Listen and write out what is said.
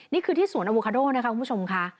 นี่คือที่สวนอโวคาโดนะคะคุณผู้ชมค่ะ